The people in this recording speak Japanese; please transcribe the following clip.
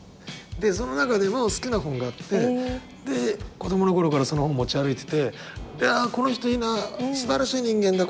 その中でも好きな本があってで子どもの頃からその本持ち歩いてて「あぁこの人いいな」「すばらしい人間だ」